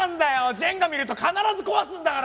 ジェンガ見ると必ず壊すんだから！